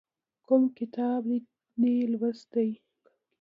کوم کتاب دې یې لوستی؟